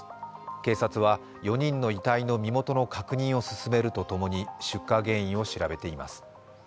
警察は４人の遺体の身元の確認を進めるとともに、出火原因を調べています。